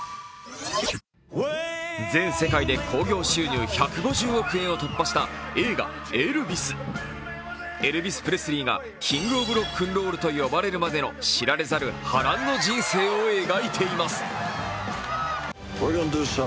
全世界で興行収入１５０億円を突破した映画「エルヴィス」エルヴィス・プレスリーがキング・オブ・ロックンロールと呼ばれるまでの知られざる波乱の人生を描いています。